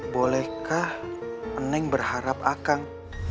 bolehkah neng berharap akang